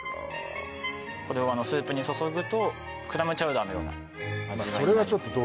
これをスープに注ぐとクラムチャウダーのような味わいになります